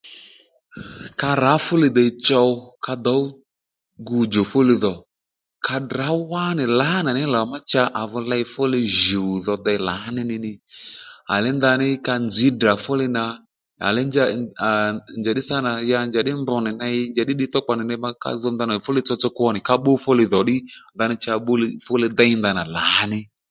Ka rǎ fúli dè chow ka dǒw gudjò fú li dhò ka tdrǎ wá nì lǎnà ní lò ma cha à vi ley fú li jǔw dho dey lǎní ní nì à léy ndaní ka nzž Ddrà fúli nà à lee nja aa njàddí sâ nà ya njàddí mbr nì ney njàddí ddiy tówkpa ma ka dho ndana fúli tsotso kwo nì ka bbú fú li dhò ddí ndaní ma cha fú li dey ndanà lǎní